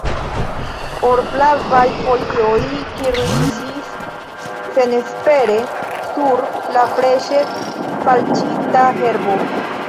Or-flavaj folioj kirliĝis senespere sur la freŝe falĉita herbo.